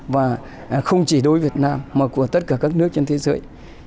và không chỉ đối với việt nam mà của tất cả các nước trên thế giới